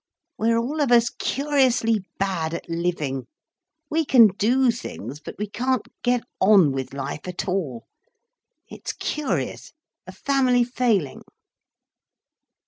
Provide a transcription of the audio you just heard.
We're all of us curiously bad at living. We can do things—but we can't get on with life at all. It's curious—a family failing."